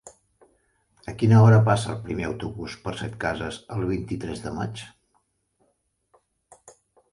A quina hora passa el primer autobús per Setcases el vint-i-tres de maig?